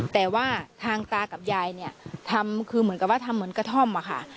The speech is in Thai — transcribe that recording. แต่ว่าทางตากับยายเนี่ยทำคือเหมือนกับว่าทำเหมือนกระท่อมอะค่ะ